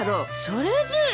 それで。